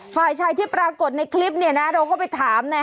ฝ่ายชายที่ปรากฏในคลิปเนี่ยนะเราก็ไปถามนะ